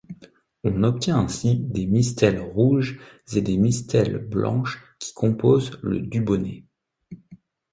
On obtient ainsi des mistelles rouges et des mistelles blanches qui composent le Dubonnet.